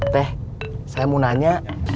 teh saya mau nanya